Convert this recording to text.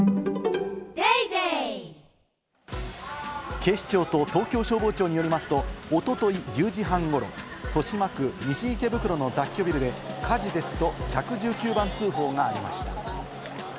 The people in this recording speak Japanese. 警視庁と東京消防庁によりますと、おととい１０時半ごろ、豊島区西池袋の雑居ビルで「火事です」と１１９番通報がありました。